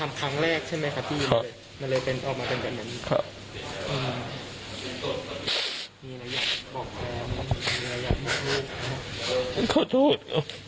มีระยะบอกแฟนมีระยะให้พูดขอโทษ